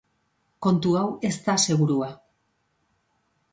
Kontu hau ez da segurua.